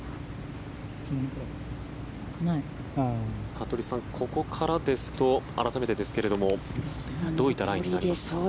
服部さん、ここからですと改めてですけれどもどういったラインになりますか？